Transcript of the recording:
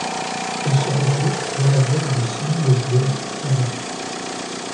Elle se rencontre dans la Grotte de Sidi Mejbeur à Taza.